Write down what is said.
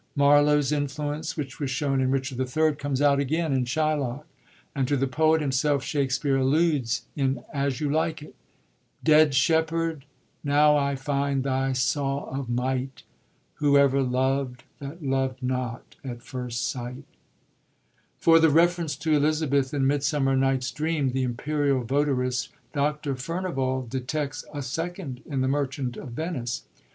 Marlowe's influence which was shown in Richard III, comes out again in Shylock, and to the poet himself Shakspere alludes in As You Like It ;—" Dead shepherd, now I find thy saw of might, ' Whoever loved that loved not at first sight t '" For the reference to Elizabeth in Midsummer'NigTWa Dream, 'the imperial votaress,' Dr. Fumivall detects a second in ITie Merchant of Venice.